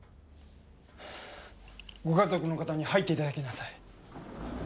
ご家族の方に入って頂きなさい。